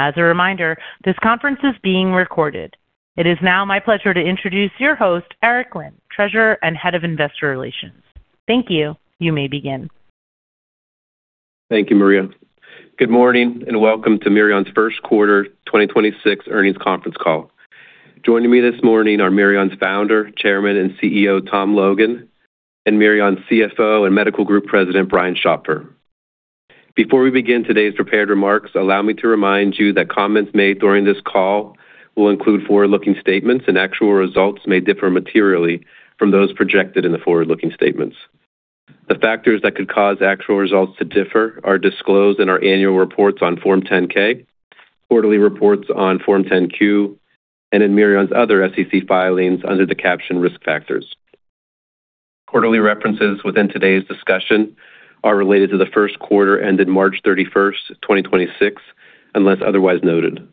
As a reminder, this conference is being recorded. It is now my pleasure to introduce your host, Eric Linn, Treasurer and Head of Investor Relations. Thank you. You may begin. Thank you, Maria. Good morning, and welcome to Mirion's first quarter 2026 earnings conference call. Joining me this morning are Mirion's Founder, Chairman, and CEO, Tom Logan, and Mirion's CFO and Medical Group President, Brian Schopfer. Before we begin today's prepared remarks, allow me to remind you that comments made during this call will include forward-looking statements, and actual results may differ materially from those projected in the forward-looking statements. The factors that could cause actual results to differ are disclosed in our annual reports on Form 10-K, quarterly reports on Form 10-Q, and in Mirion's other SEC filings under the caption Risk Factors. Quarterly references within today's discussion are related to the first quarter ended March 31st, 2026, unless otherwise noted.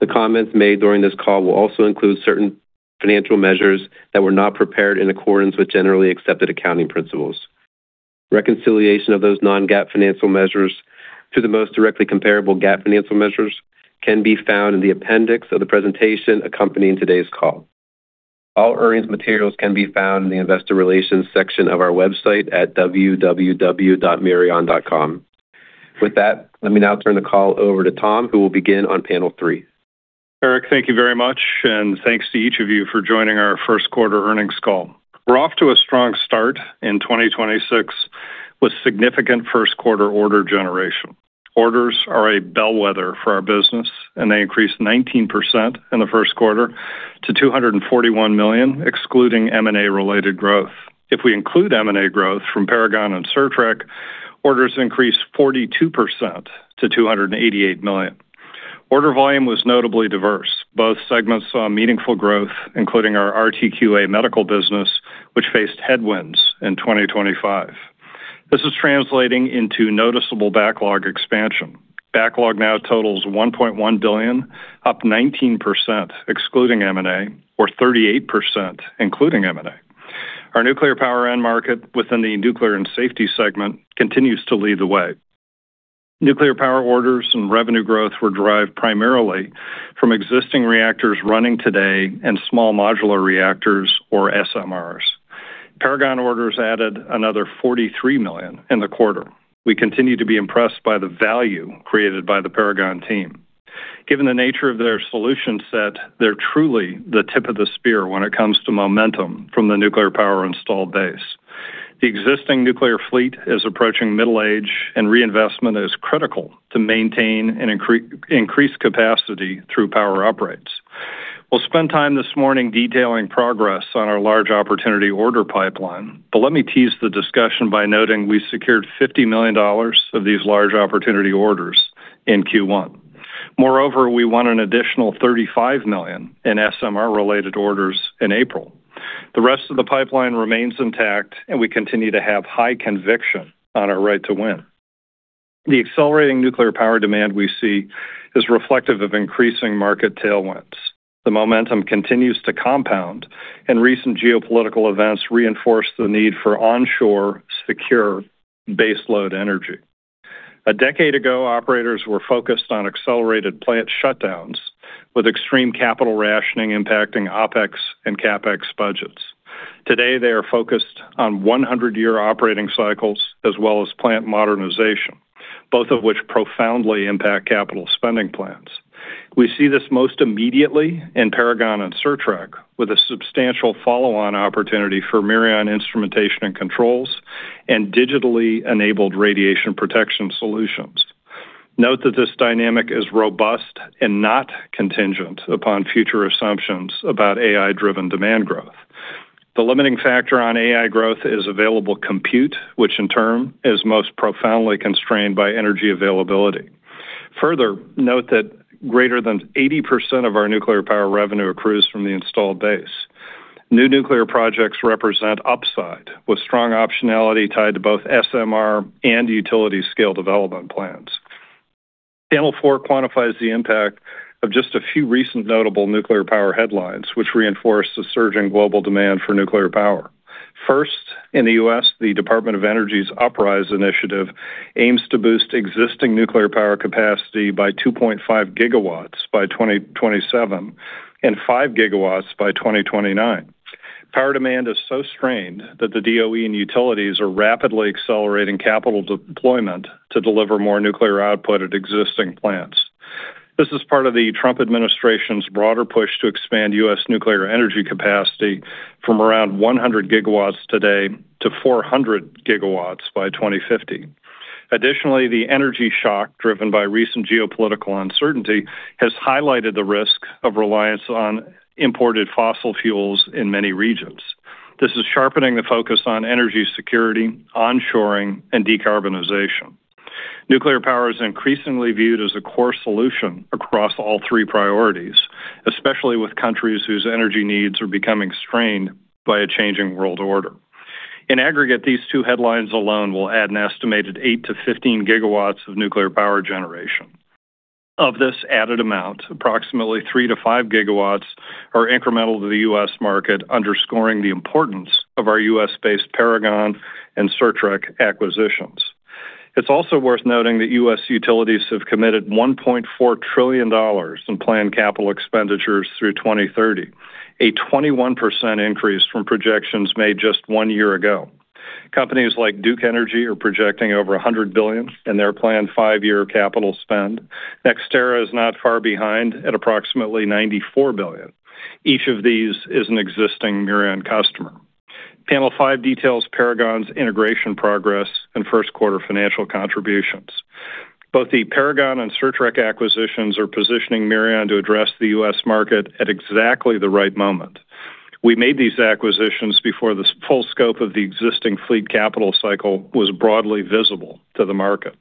The comments made during this call will also include certain financial measures that were not prepared in accordance with Generally Accepted Accounting Principles. Reconciliation of those non-GAAP financial measures to the most directly comparable GAAP financial measures can be found in the appendix of the presentation accompanying today's call. All earnings materials can be found in the investor relations section of our website at www.mirion.com. With that, let me now turn the call over to Tom, who will begin on panel three. Eric, thank you very much. Thanks to each of you for joining our first quarter earnings call. We're off to a strong start in 2026 with significant first quarter order generation. Orders are a bellwether for our business. They increased 19% in the first quarter to $241 million, excluding M&A-related growth. If we include M&A growth from Paragon and Certrec, orders increased 42% to $288 million. Order volume was notably diverse. Both segments saw meaningful growth, including our RTQA medical business, which faced headwinds in 2025. This is translating into noticeable backlog expansion. Backlog now totals $1.1 billion, up 19% excluding M&A or 38%, including M&A. Our nuclear power end market within the nuclear and safety segment continues to lead the way. Nuclear power orders and revenue growth were derived primarily from existing reactors running today and small modular reactors or SMRs. Paragon orders added another $43 million in the quarter. We continue to be impressed by the value created by the Paragon team. Given the nature of their solution set, they're truly the tip of the spear when it comes to momentum from the nuclear power installed base. The existing nuclear fleet is approaching middle age, and reinvestment is critical to maintain and increase capacity through power uprates. We'll spend time this morning detailing progress on our large opportunity order pipeline, but let me tease the discussion by noting we secured $50 million of these large opportunity orders in Q1. Moreover, we won an additional $35 million in SMR-related orders in April. The rest of the pipeline remains intact. We continue to have high conviction on our right to win. The accelerating nuclear power demand we see is reflective of increasing market tailwinds. The momentum continues to compound. Recent geopolitical events reinforce the need for onshore secure baseload energy. A decade ago, operators were focused on accelerated plant shutdowns, with extreme capital rationing impacting OpEx and CapEx budgets. Today, they are focused on 100-year operating cycles as well as plant modernization, both of which profoundly impact capital spending plans. We see this most immediately in Paragon and Certrec, with a substantial follow-on opportunity for Mirion instrumentation and controls and digitally enabled radiation protection solutions. Note that this dynamic is robust and not contingent upon future assumptions about AI-driven demand growth. The limiting factor on AI growth is available compute, which in turn is most profoundly constrained by energy availability. Further, note that greater than 80% of our nuclear power revenue accrues from the installed base. New nuclear projects represent upside, with strong optionality tied to both SMR and utility scale development plans. Panel four quantifies the impact of just a few recent notable nuclear power headlines, which reinforce the surge in global demand for nuclear power. In the U.S., the Department of Energy's UPRISE initiative aims to boost existing nuclear power capacity by 2.5 GW by 2027 and 5 GW by 2029. Power demand is so strained that the DOE and utilities are rapidly accelerating capital deployment to deliver more nuclear output at existing plants. This is part of the Trump administration's broader push to expand U.S. nuclear energy capacity from around 100 GW today to 400 GW by 2050. Additionally, the energy shock driven by recent geopolitical uncertainty has highlighted the risk of reliance on imported fossil fuels in many regions. This is sharpening the focus on energy security, onshoring, and decarbonization. Nuclear power is increasingly viewed as a core solution across all three priorities, especially with countries whose energy needs are becoming strained by a changing world order. In aggregate, these two headlines alone will add an estimated 8 GW to 15 GW of nuclear power generation. Of this added amount, approximately 3 GW to 5 GW are incremental to the U.S. market, underscoring the importance of our U.S.-based Paragon and Certrec acquisitions. It's also worth noting that U.S. utilities have committed $1.4 trillion in planned capital expenditures through 2030, a 21% increase from projections made just one year ago. Companies like Duke Energy are projecting over $100 billion in their planned five-year capital spend. NextEra is not far behind at approximately $94 billion. Each of these is an existing Mirion customer. Panel five details Paragon's integration progress and first quarter financial contributions. Both the Paragon and Certrec acquisitions are positioning Mirion to address the U.S. market at exactly the right moment. We made these acquisitions before this full scope of the existing fleet capital cycle was broadly visible to the market.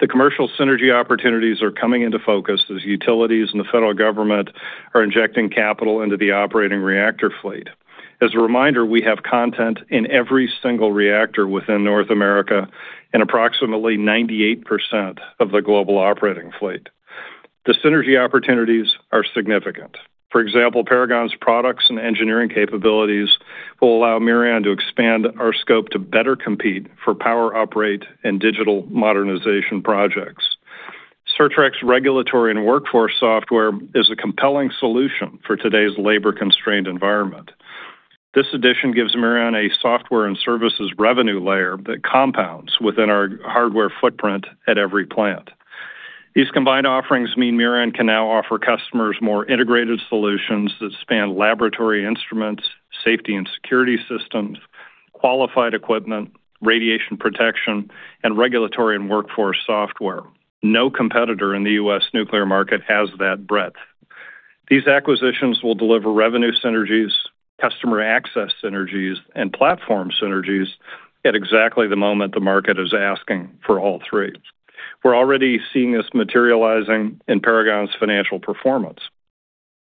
The commercial synergy opportunities are coming into focus as utilities and the federal government are injecting capital into the operating reactor fleet. As a reminder, we have content in every single reactor within North America and approximately 98% of the global operating fleet. The synergy opportunities are significant. For example, Paragon's products and engineering capabilities will allow Mirion to expand our scope to better compete for power uprate and digital modernization projects. Certrec's regulatory and workforce software is a compelling solution for today's labor-constrained environment. This addition gives Mirion a software and services revenue layer that compounds within our hardware footprint at every plant. These combined offerings mean Mirion can now offer customers more integrated solutions that span laboratory instruments, safety and security systems, qualified equipment, radiation protection, and regulatory and workforce software. No competitor in the U.S. nuclear market has that breadth. These acquisitions will deliver revenue synergies, customer access synergies, and platform synergies at exactly the moment the market is asking for all three. We're already seeing this materializing in Paragon's financial performance.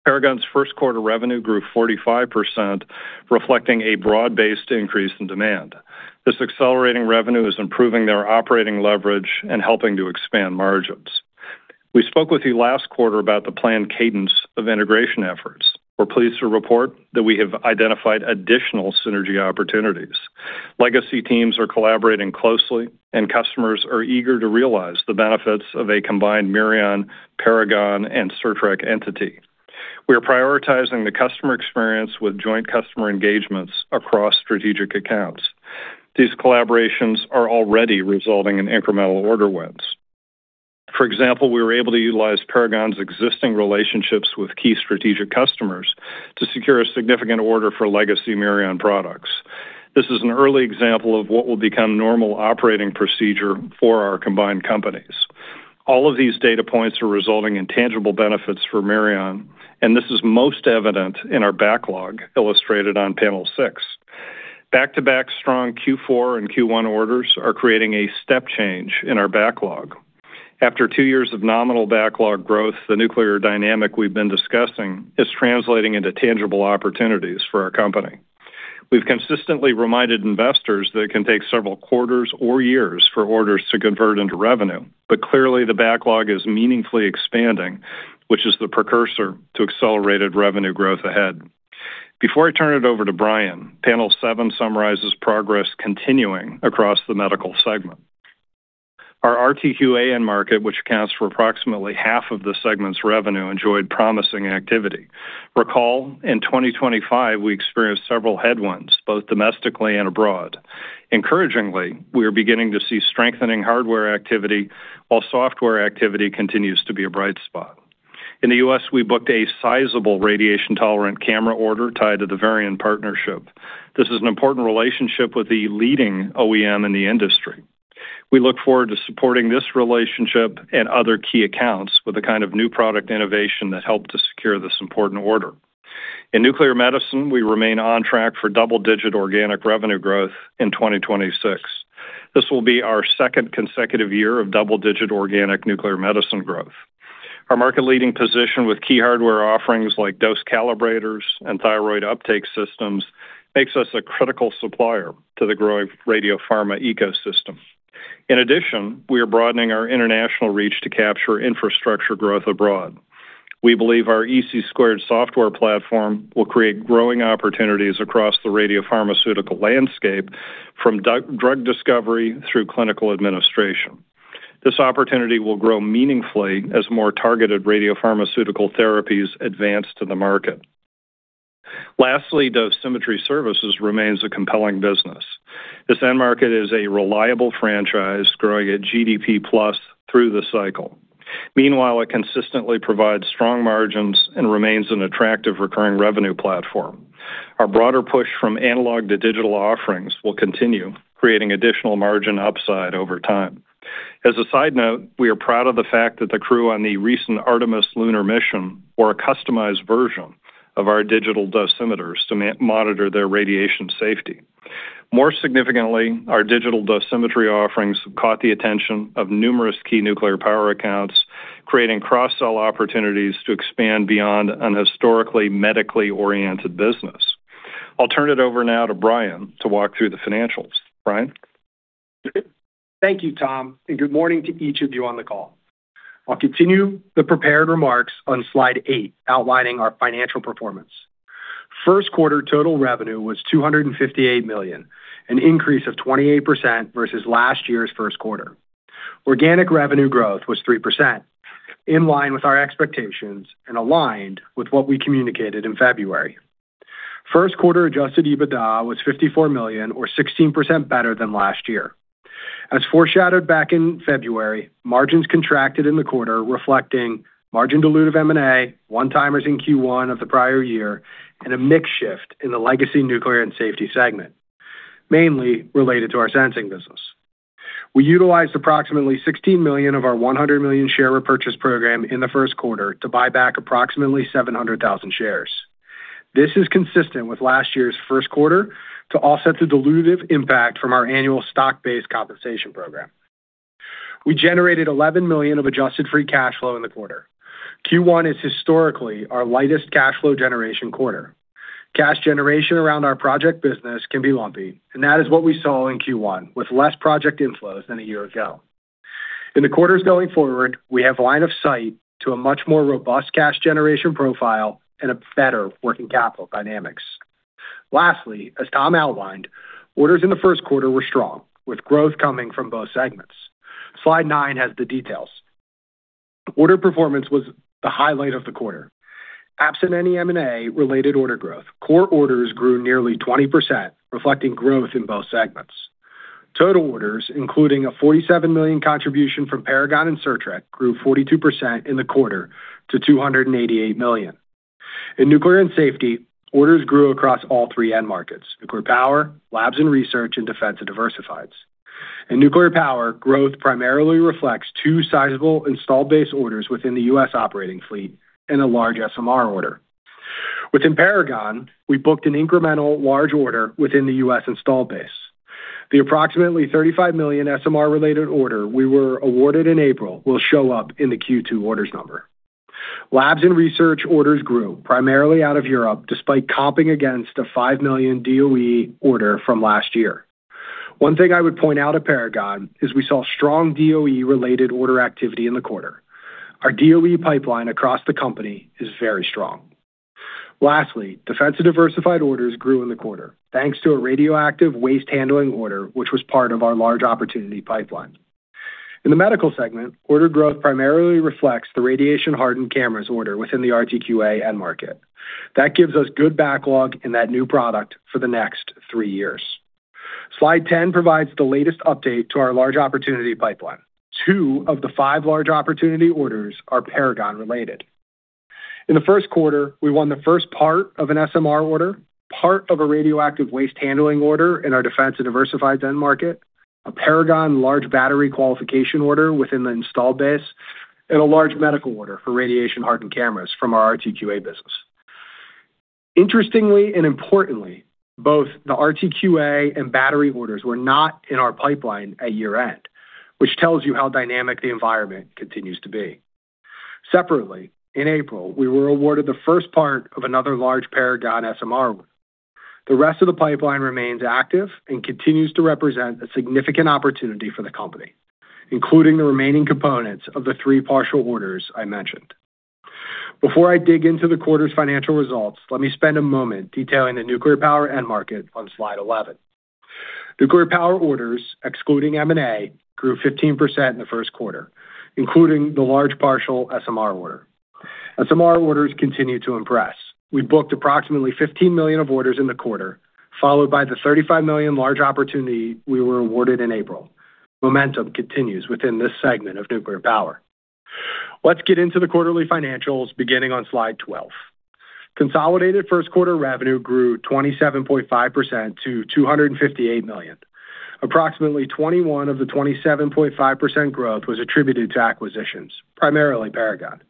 Paragon's first quarter revenue grew 45%, reflecting a broad-based increase in demand. This accelerating revenue is improving their operating leverage and helping to expand margins. We spoke with you last quarter about the planned cadence of integration efforts. We're pleased to report that we have identified additional synergy opportunities. Legacy teams are collaborating closely, and customers are eager to realize the benefits of a combined Mirion, Paragon, and Certrec entity. We are prioritizing the customer experience with joint customer engagements across strategic accounts. These collaborations are already resulting in incremental order wins. For example, we were able to utilize Paragon's existing relationships with key strategic customers to secure a significant order for legacy Mirion products. This is an early example of what will become normal operating procedure for our combined companies. All of these data points are resulting in tangible benefits for Mirion, and this is most evident in our backlog illustrated on panel six. Back-to-back strong Q4 and Q1 orders are creating a step change in our backlog. After two years of nominal backlog growth, the nuclear dynamic we've been discussing is translating into tangible opportunities for our company. We've consistently reminded investors that it can take several quarters or years for orders to convert into revenue. Clearly, the backlog is meaningfully expanding, which is the precursor to accelerated revenue growth ahead. Before I turn it over to Brian, panel seven summarizes progress continuing across the medical segment. Our RTQA end market, which accounts for approximately half of the segment's revenue, enjoyed promising activity. Recall, in 2025, we experienced several headwinds, both domestically and abroad. Encouragingly, we are beginning to see strengthening hardware activity while software activity continues to be a bright spot. In the U.S., we booked a sizable radiation-tolerant camera order tied to the Varian partnership. This is an important relationship with the leading OEM in the industry. We look forward to supporting this relationship and other key accounts with the kind of new product innovation that helped to secure this important order. In nuclear medicine, we remain on track for double-digit organic revenue growth in 2026. This will be our second consecutive year of double-digit organic nuclear medicine growth. Our market-leading position with key hardware offerings like Dose Calibrators and Thyroid Uptake Systems makes us a critical supplier to the growing radiopharma ecosystem. In addition, we are broadening our international reach to capture infrastructure growth abroad. We believe our ec² software platform will create growing opportunities across the radiopharmaceutical landscape from drug discovery through clinical administration. This opportunity will grow meaningfully as more targeted radiopharmaceutical therapies advance to the market. Lastly, Dosimetry Services remains a compelling business. This end market is a reliable franchise growing at GDP plus through the cycle. Meanwhile, it consistently provides strong margins and remains an attractive recurring revenue platform. Our broader push from analog to digital offerings will continue, creating additional margin upside over time. As a side note, we are proud of the fact that the crew on the recent Artemis Lunar Mission wore a customized version of our digital dosimeters to monitor their radiation safety. More significantly, our digital dosimetry offerings have caught the attention of numerous key nuclear power accounts, creating cross-sell opportunities to expand beyond an historically medically-oriented business. I'll turn it over now to Brian to walk through the financials. Brian? Thank you, Tom, good morning to each of you on the call. I'll continue the prepared remarks on slide eight, outlining our financial performance. First quarter total revenue was $258 million, an increase of 28% versus last year's first quarter. Organic revenue growth was 3%, in line with our expectations and aligned with what we communicated in February. First quarter adjusted EBITDA was $54 million, or 16% better than last year. As foreshadowed back in February, margins contracted in the quarter, reflecting margin dilute of M&A, one-timers in Q1 of the prior year, and a mix shift in the legacy nuclear and safety segment, mainly related to our sensing business. We utilized approximately $16 million of our $100 million share repurchase program in the first quarter to buy back approximately 700,000 shares. This is consistent with last year's first quarter to offset the dilutive impact from our annual stock-based compensation program. We generated $11 million of adjusted free cash flow in the quarter. Q1 is historically our lightest cash flow generation quarter. Cash generation around our project business can be lumpy, and that is what we saw in Q1, with less project inflows than a year ago. In the quarters going forward, we have line of sight to a much more robust cash generation profile and a better working capital dynamics. Lastly, as Tom outlined, orders in the first quarter were strong, with growth coming from both segments. Slide nine has the details. Order performance was the highlight of the quarter. Absent any M&A related order growth, core orders grew nearly 20%, reflecting growth in both segments. Total orders, including a $47 million contribution from Paragon and Certrec, grew 42% in the quarter to $288 million. In nuclear and safety, orders grew across all three end markets: nuclear power, labs and research, and defense and diversifieds. In nuclear power, growth primarily reflects two sizable installed base orders within the U.S. operating fleet and a large SMR order. Within Paragon, we booked an incremental large order within the U.S. installed base. The approximately $35 million SMR related order we were awarded in April will show up in the Q2 orders number. Labs and research orders grew primarily out of Europe despite comping against a $5 million DOE order from last year. One thing I would point out at Paragon is we saw strong DOE related order activity in the quarter. Our DOE pipeline across the company is very strong. Lastly, defense and diversified orders grew in the quarter, thanks to a radioactive waste handling order, which was part of our large opportunity pipeline. In the medical segment, order growth primarily reflects the radiation hardened cameras order within the RTQA end market. That gives us good backlog in that new product for the next three years. Slide 10 provides the latest update to our large opportunity pipeline. Two of the five large opportunity orders are Paragon related. In the first quarter, we won the first part of an SMR order, part of a radioactive waste handling order in our defense and diversified end market, a Paragon large battery qualification order within the installed base, and a large medical order for radiation hardened cameras from our RTQA business. Interestingly and importantly, both the RTQA and battery orders were not in our pipeline at year-end, which tells you how dynamic the environment continues to be. Separately, in April, we were awarded the first part of another large Paragon SMR order. The rest of the pipeline remains active and continues to represent a significant opportunity for the company, including the remaining components of the three partial orders I mentioned. Before I dig into the quarter's financial results, let me spend a moment detailing the nuclear power end market on slide 11. Nuclear power orders, excluding M&A, grew 15% in the first quarter, including the large partial SMR order. SMR orders continue to impress. We booked approximately $15 million of orders in the quarter, followed by the $35 million large opportunity we were awarded in April. Momentum continues within this segment of nuclear power. Let's get into the quarterly financials beginning on slide 12. Consolidated first quarter revenue grew 27.5% to $258 million. Approximately 21 of the 27.5% growth was attributed to acquisitions, primarily Paragon.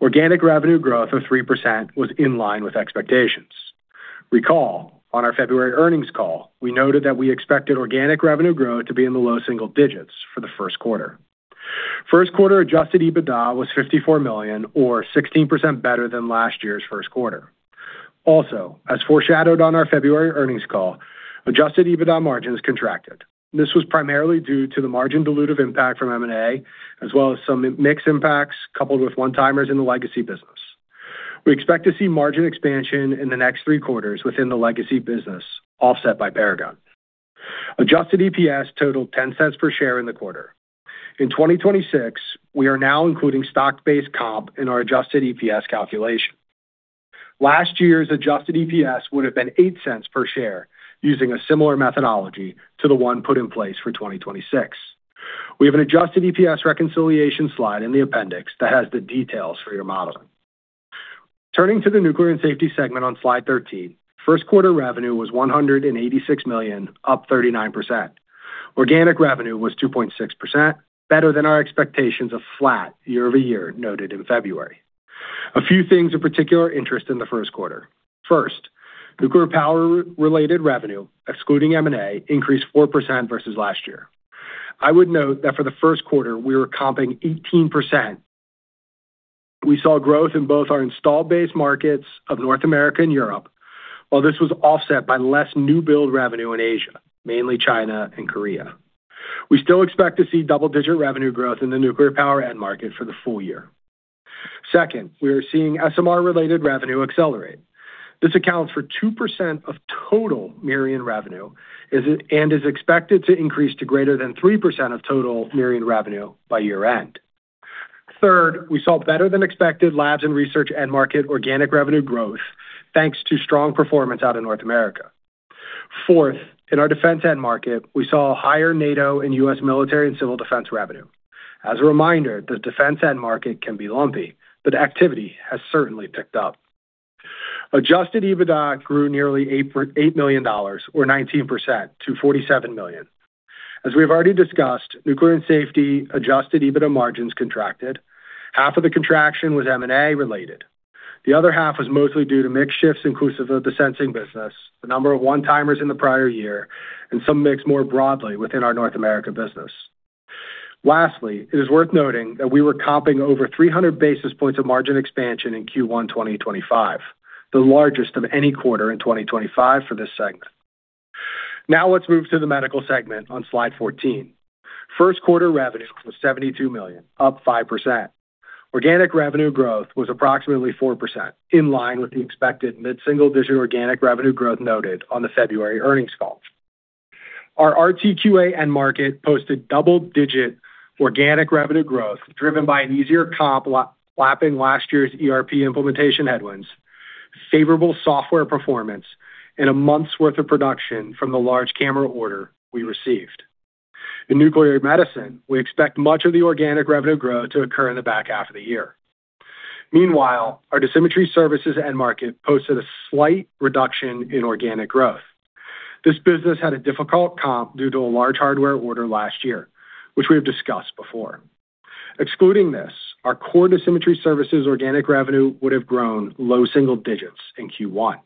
Organic revenue growth of 3% was in line with expectations. Recall, on our February earnings call, we noted that we expected organic revenue growth to be in the low single digits for the first quarter. First quarter adjusted EBITDA was $54 million or 16% better than last year's first quarter. As foreshadowed on our February earnings call, adjusted EBITDA margins contracted. This was primarily due to the margin dilutive impact from M&A, as well as some mix impacts coupled with one-timers in the legacy business. We expect to see margin expansion in the next three quarters within the legacy business, offset by Paragon. Adjusted EPS totaled $0.10 per share in the quarter. In 2026, we are now including stock-based comp in our adjusted EPS calculation. Last year's adjusted EPS would have been $0.08 per share using a similar methodology to the one put in place for 2026. We have an adjusted EPS reconciliation slide in the appendix that has the details for your modeling. Turning to the nuclear and safety segment on slide 13, first quarter revenue was $186 million, up 39%. Organic revenue was 2.6% better than our expectations of flat year-over-year noted in February. A few things of particular interest in the first quarter. First, nuclear power related revenue, excluding M&A, increased 4% versus last year. I would note that for the first quarter, we were comping 18%. We saw growth in both our installed base markets of North America and Europe. This was offset by less new build revenue in Asia, mainly China and Korea. We still expect to see double-digit revenue growth in the nuclear power end market for the full year. Second, we are seeing SMR related revenue accelerate. This accounts for 2% of total Mirion revenue and is expected to increase to greater than 3% of total Mirion revenue by year end. Third, we saw better than expected labs and research end market organic revenue growth, thanks to strong performance out of North America. Fourth, in our defense end market, we saw higher NATO and U.S. military and civil defense revenue. As a reminder, the defense end market can be lumpy, but activity has certainly picked up. Adjusted EBITDA grew nearly $8 million or 19% to $47 million. As we've already discussed, nuclear and safety adjusted EBITDA margins contracted. Half of the contraction was M&A related. The other half was mostly due to mix shifts inclusive of the sensing business, the number of one-timers in the prior year, and some mix more broadly within our North America business. Lastly, it is worth noting that we were comping over 300 basis points of margin expansion in Q1 2025, the largest of any quarter in 2025 for this segment. Now let's move to the Medical segment on slide 14. First quarter revenue was $72 million, up 5%. Organic revenue growth was approximately 4%, in line with the expected mid-single-digit organic revenue growth noted on the February earnings call. Our RTQA end market posted double-digit organic revenue growth, driven by an easier comp lapping last year's ERP implementation headwinds, favorable software performance, and a month's worth of production from the large camera order we received. In nuclear medicine, we expect much of the organic revenue growth to occur in the back half of the year. Meanwhile, our Dosimetry Services end market posted a slight reduction in organic growth. This business had a difficult comp due to a large hardware order last year, which we have discussed before. Excluding this, our core Dosimetry Services organic revenue would have grown low single digits in Q1.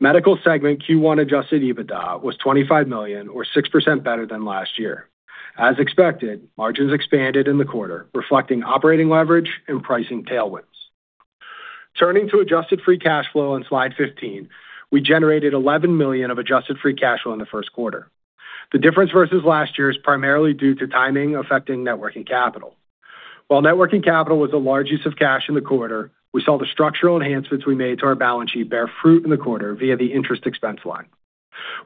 Medical segment Q1 adjusted EBITDA was $25 million or 6% better than last year. As expected, margins expanded in the quarter, reflecting operating leverage and pricing tailwinds. Turning to adjusted free cash flow on slide 15, we generated $11 million of adjusted free cash flow in the first quarter. The difference versus last year is primarily due to timing affecting networking capital. While networking capital was a large use of cash in the quarter, we saw the structural enhancements we made to our balance sheet bear fruit in the quarter via the interest expense line.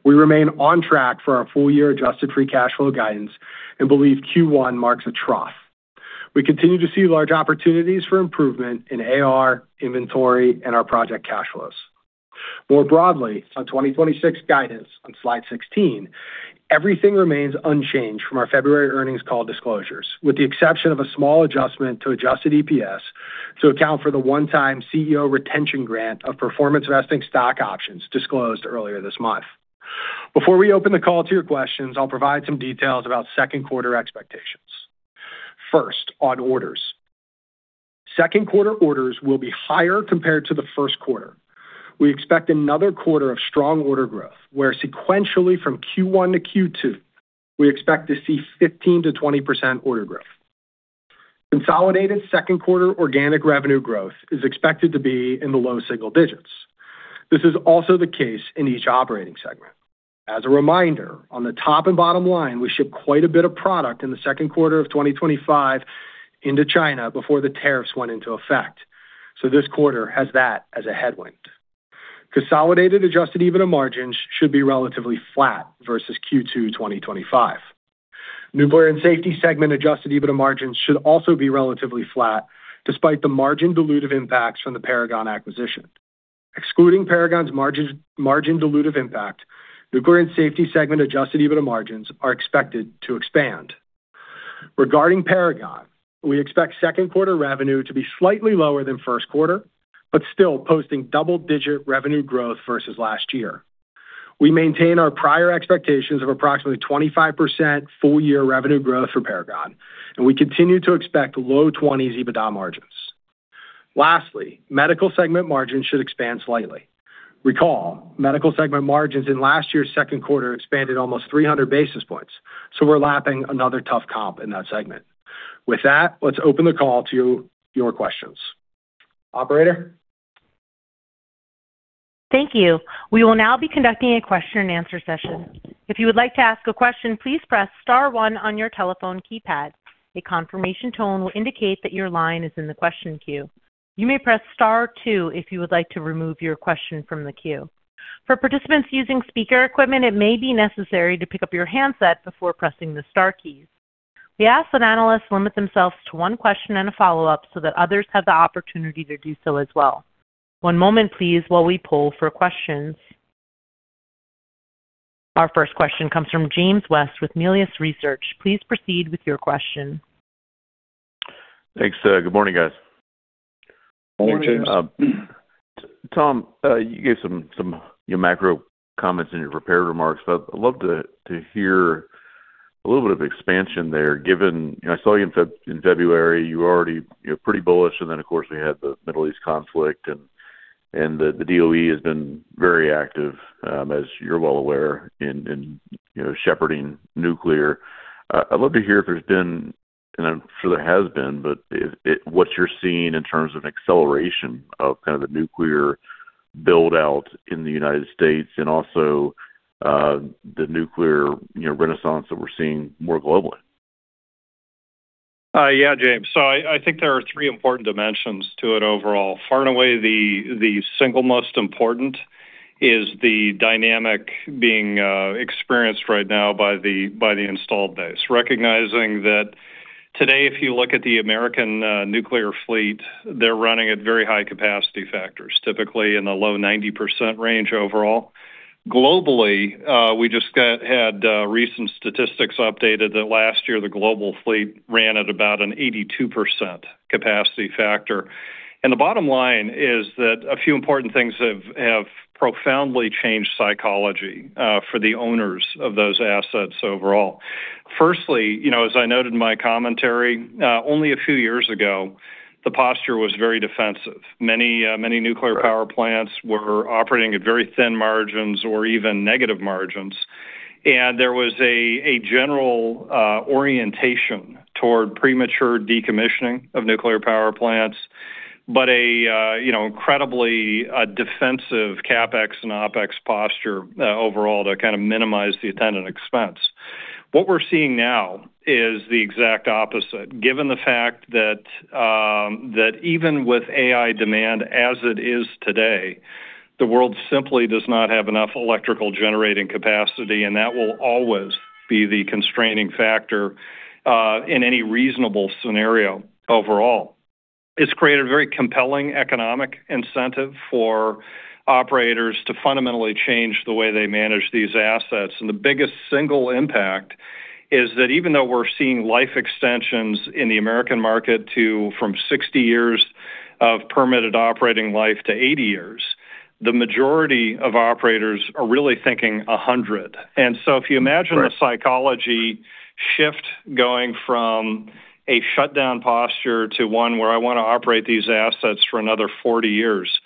We remain on track for our full-year adjusted free cash flow guidance and believe Q1 marks a trough. We continue to see large opportunities for improvement in AR, inventory, and our project cash flows. More broadly, on 2026 guidance on slide 16, everything remains unchanged from our February earnings call disclosures, with the exception of a small adjustment to adjusted EPS to account for the one-time CEO retention grant of performance vesting stock options disclosed earlier this month. Before we open the call to your questions, I'll provide some details about second quarter expectations. First, on orders. Second quarter orders will be higher compared to the first quarter. We expect another quarter of strong order growth, where sequentially from Q1 to Q2, we expect to see 15%-20% order growth. Consolidated second quarter organic revenue growth is expected to be in the low single digits. This is also the case in each operating segment. As a reminder, on the top and bottom line, we ship quite a bit of product in the second quarter of 2025 into China before the tariffs went into effect. This quarter has that as a headwind. Consolidated adjusted EBITDA margins should be relatively flat versus Q2 2025. Nuclear and Safety segment adjusted EBITDA margins should also be relatively flat despite the margin dilutive impacts from the Paragon acquisition. Excluding Paragon's margins, margin dilutive impact, Nuclear and Safety segment adjusted EBITDA margins are expected to expand. Regarding Paragon, we expect second quarter revenue to be slightly lower than first quarter, but still posting double-digit revenue growth versus last year. We maintain our prior expectations of approximately 25% full-year revenue growth for Paragon, and we continue to expect low 20s EBITDA margins. Lastly, Medical segment margins should expand slightly. Recall, Medical segment margins in last year's second quarter expanded almost 300 basis points, so we're lapping another tough comp in that segment. With that, let's open the call to your questions. Operator? Thank you. We will now be conducting a question and answer session. If you would like to ask a question, please press star one on your telephone keypad. A confirmation tone will indicate that your line is in the question queue. You may press star two if you would like to remove your question from the queue. For participants using speaker equipment, it may be necessary to pick up your handset before pressing the star keys. We ask that analysts limit themselves to one question and a follow-up so that others have the opportunity to do so as well. One moment please while we poll for questions. Our first question comes from James West with Melius Research. Please proceed with your question. Thanks. Good morning, guys. Morning, James. Tom, you gave some, you know, macro comments in your prepared remarks. I'd love to hear a little bit of expansion there given I saw you in February, you were already, you know, pretty bullish, and then of course, we had the Middle East conflict. The DOE has been very active, as you're well aware, you know, shepherding nuclear. I'd love to hear if there's been, and I'm sure there has been, but what you're seeing in terms of acceleration of kind of the nuclear build-out in the U.S. and also, the nuclear, you know, renaissance that we're seeing more globally. Yeah, James. I think there are three important dimensions to it overall. Far and away, the single most important is the dynamic being experienced right now by the installed base. Recognizing that today, if you look at the American nuclear fleet, they're running at very high capacity factors, typically in the low 90% range overall. Globally, we just had recent statistics updated that last year the global fleet ran at about an 82% capacity factor. The bottom line is that a few important things have profoundly changed psychology for the owners of those assets overall. Firstly, you know, as I noted in my commentary, only a few years ago, the posture was very defensive. Many nuclear power plants were operating at very thin margins or even negative margins. There was a general orientation toward premature decommissioning of nuclear power plants, but you know, incredibly defensive CapEx and OpEx posture overall to kind of minimize the attendant expense. What we're seeing now is the exact opposite. Given the fact that even with AI demand as it is today, the world simply does not have enough electrical generating capacity, and that will always be the constraining factor in any reasonable scenario overall. It's created a very compelling economic incentive for operators to fundamentally change the way they manage these assets. The biggest single impact is that even though we're seeing life extensions in the American market to from 60 years of permitted operating life to 80 years, the majority of operators are really thinking 100. If you imagine the psychology shift going from a shutdown posture to one where I want to operate these assets for another 40 years,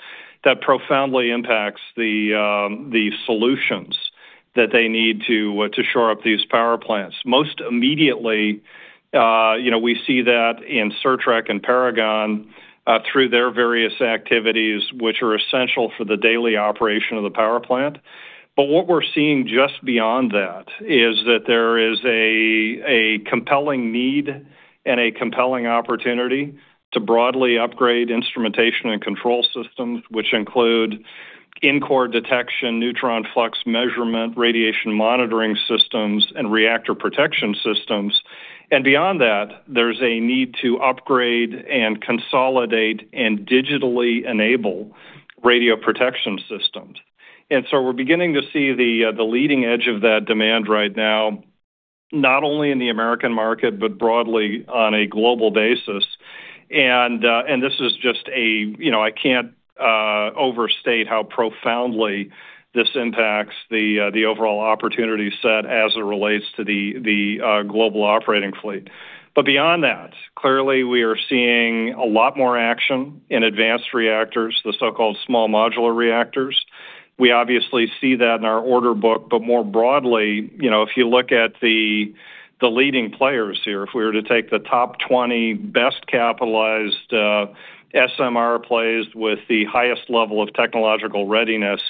that profoundly impacts the solutions that they need to shore up these power plants. Most immediately, you know, we see that in Certrec and Paragon through their various activities, which are essential for the daily operation of the power plant. What we're seeing just beyond that is that there is a compelling need and a compelling opportunity to broadly upgrade Instrumentation and Control systems, which include in-core detection, neutron flux measurement, radiation monitoring systems, and reactor protection systems. Beyond that, there's a need to upgrade and consolidate and digitally enable radiation protection systems. We're beginning to see the leading edge of that demand right now, not only in the U.S. market, but broadly on a global basis. This is just a, you know, I can't overstate how profoundly this impacts the overall opportunity set as it relates to the global operating fleet. Clearly, we are seeing a lot more action in advanced reactors, the so-called small modular reactors. We obviously see that in our order book, you know, if you look at the leading players here, if we were to take the top 20 best capitalized SMR plays with the highest level of technological readiness,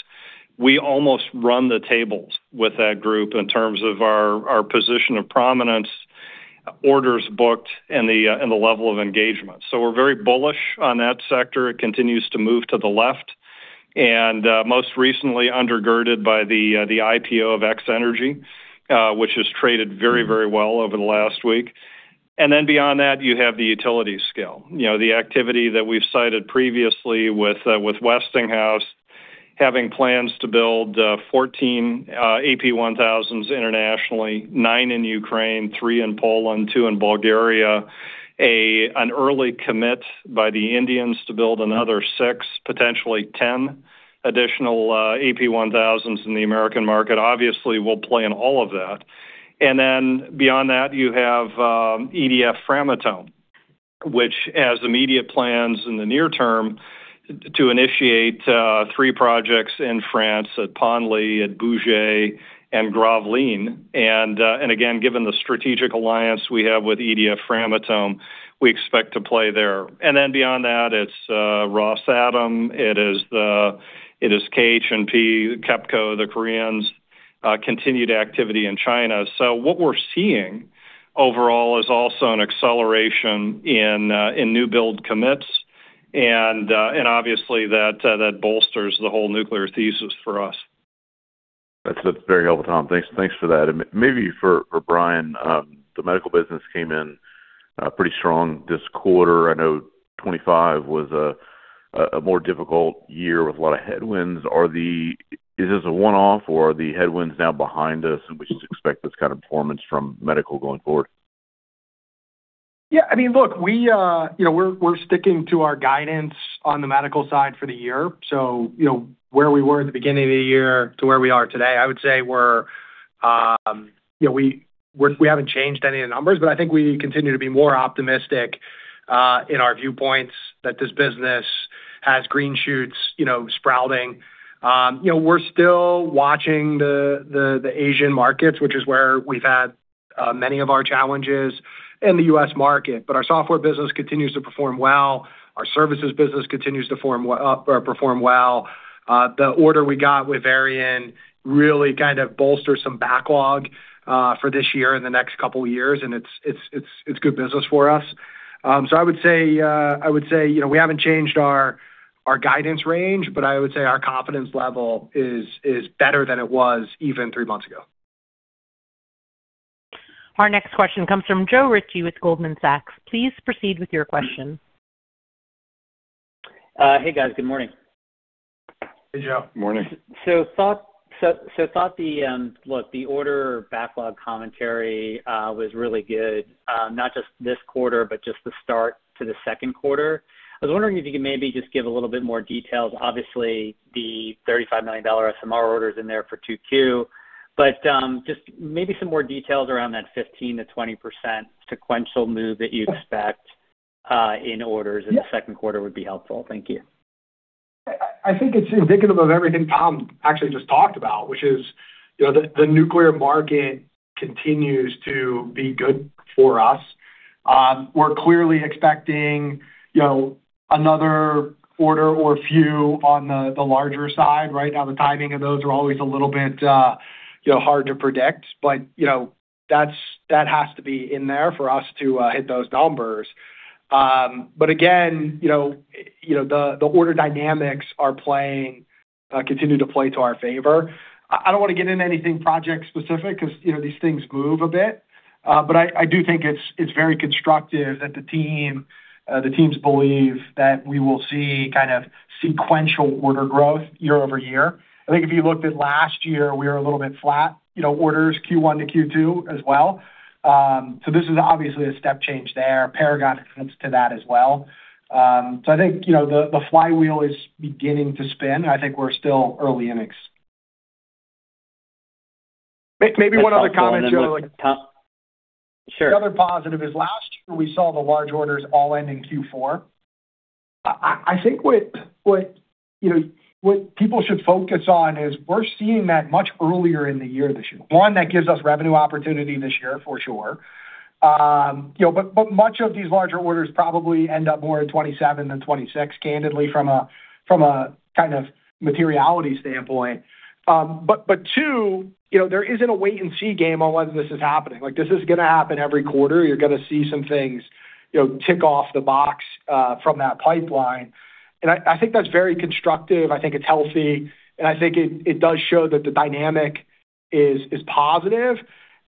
we almost run the tables with that group in terms of our position of prominence, orders booked, and the level of engagement. We're very bullish on that sector. It continues to move to the left, and most recently undergirded by the IPO of X-Energy, which has traded very, very well over the last week. Beyond that, you have the utility scale. You know, the activity that we've cited previously with Westinghouse having plans to build 14 AP1000s internationally, nine in Ukraine, three in Poland, two in Bulgaria, an early commit by the Indians to build another six, potentially 10 additional AP1000s in the American market obviously will play in all of that. Beyond that, you have EDF Framatome, which has immediate plans in the near term to initiate three projects in France at Penly, at Bugey, and Gravelines. Again, given the strategic alliance we have with EDF Framatome, we expect to play there. Beyond that, it's Rosatom, it is the, it is KHNP, KEPCO, the Koreans, continued activity in China. What we're seeing overall is also an acceleration in new build commits and obviously that bolsters the whole nuclear thesis for us. That's very helpful, Tom. Thanks, thanks for that. Maybe for Brian, the medical business came in pretty strong this quarter. I know 2025 was a more difficult year with a lot of headwinds. Is this a one-off or are the headwinds now behind us, and we should expect this kind of performance from medical going forward? Yeah. I mean, look, we, you know, we're sticking to our guidance on the medical side for the year. You know, where we were at the beginning of the year to where we are today, I would say we're. You know, we haven't changed any of the numbers, but I think we continue to be more optimistic in our viewpoints that this business has green shoots, you know, sprouting. You know, we're still watching the Asian markets, which is where we've had many of our challenges in the U.S. market. Our software business continues to perform well. Our services business continues to form well or perform well. The order we got with Varian really kind of bolsters some backlog for this year and the next couple years, and it's good business for us. I would say, you know, we haven't changed our guidance range, but I would say our confidence level is better than it was even three months ago. Our next question comes from Joe Ritchie with Goldman Sachs. Please proceed with your question. Hey, guys. Good morning. Hey, Joe. Morning. Thought the... Look, the order backlog commentary was really good, not just this quarter, but just the start to the second quarter. I was wondering if you could maybe just give a little bit more details. Obviously, the $35 million SMR order's in there for 2Q. Just maybe some more details around that 15%-20% sequential move that you expect in orders. Yeah. In the second quarter would be helpful. Thank you. I think it's indicative of everything Tom actually just talked about, which is, you know, the nuclear market continues to be good for us. We're clearly expecting, you know, another order or a few on the larger side. Right now, the timing of those are always a little bit, you know, hard to predict. You know, that has to be in there for us to hit those numbers. Again, you know, the order dynamics are playing, continue to play to our favor. I don't wanna get into anything project specific 'cause, you know, these things move a bit. I do think it's very constructive that the team, the teams believe that we will see kind of sequential order growth year-over-year. I think if you looked at last year, we were a little bit flat, you know, orders Q1 to Q2 as well. This is obviously a step change there. Paragon contributes to that as well. I think, you know, the flywheel is beginning to spin. I think we're still early innings. Maybe one other comment, Joe. Sure. The other positive is last year we saw the large orders all end in Q4. I think what, you know, what people should focus on is we're seeing that much earlier in the year this year. One, that gives us revenue opportunity this year for sure. You know, but much of these larger orders probably end up more in 2027 than 2026, candidly, from a kind of materiality standpoint. Two, you know, there isn't a wait and see game on whether this is happening. Like, this is gonna happen every quarter. You're gonna see some things, you know, tick off the box from that pipeline. I think that's very constructive. I think it's healthy, and I think it does show that the dynamic is positive.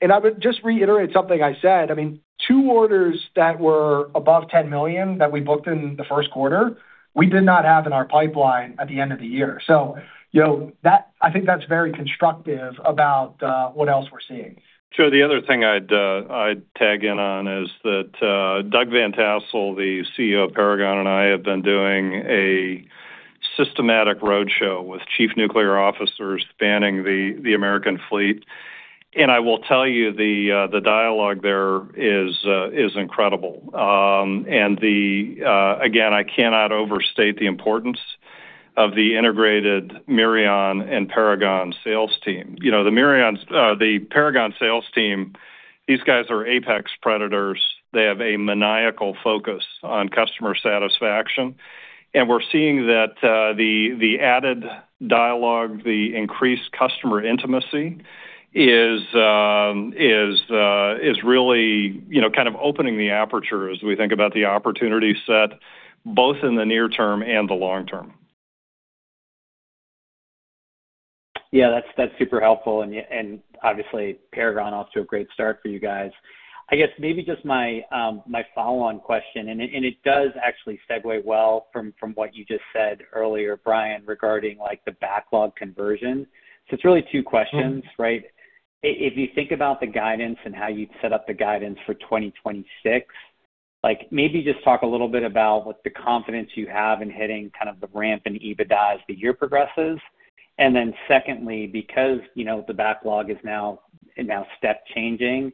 I would just reiterate something I said. I mean, two orders that were above $10 million that we booked in the first quarter, we did not have in our pipeline at the end of the year. You know, I think that's very constructive about what else we're seeing. Joe, the other thing I'd tag in on is that Doug VanTassell, the CEO of Paragon, and I have been doing a systematic roadshow with chief nuclear officers spanning the American fleet. I will tell you, the dialogue there is incredible. Again, I cannot overstate the importance of the integrated Mirion and Paragon sales team. You know, the Mirion's, the Paragon sales team, these guys are apex predators. They have a maniacal focus on customer satisfaction. We're seeing that the added dialogue, the increased customer intimacy is really, you know, kind of opening the aperture as we think about the opportunity set, both in the near term and the long term. Yeah, that's super helpful, and obviously Paragon off to a great start for you guys. I guess maybe just my follow-on question, and it does actually segue well from what you just said earlier, Brian, regarding, like, the backlog conversion. It's really two questions, right? If you think about the guidance and how you'd set up the guidance for 2026, like maybe just talk a little bit about what the confidence you have in hitting kind of the ramp in EBITDA as the year progresses. Then secondly, because you know, the backlog is now step changing,